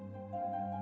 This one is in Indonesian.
ya aku usahainya